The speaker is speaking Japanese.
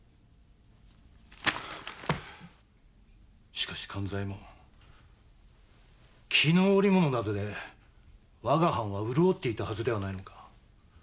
しかし勘左衛門絹織物などで我が藩は潤っていたのではないか？